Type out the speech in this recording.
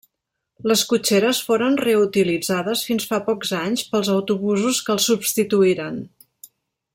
Les cotxeres foren reutilitzades fins fa pocs anys pels autobusos que el substituïren.